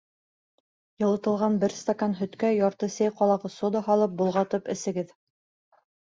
Йылытылған бер стакан һөткә ярты сәй ҡалағы сода һалып, болғатып эсегеҙ.